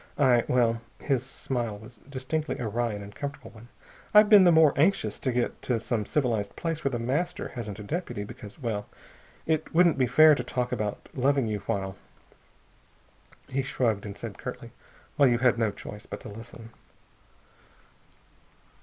I well" his smile was distinctly a wry and uncomfortable one "I've been the more anxious to get to some civilized place where The Master hasn't a deputy because well it wouldn't be fair to talk about loving you while " he shrugged, and said curtly, "while you had no choice but to listen."